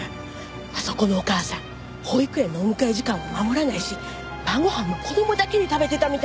あそこのお母さん保育園のお迎え時間は守らないし晩ご飯も子供だけで食べてたみたいで。